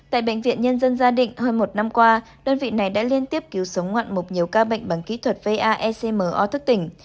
tại bệnh viện nhân dân gia định hơn một năm qua đơn vị này đã liên tiếp cứu sống ngoạn mục nhiều ca bệnh bằng kỹ thuật vaecmo thức tỉnh